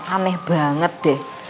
aneh banget deh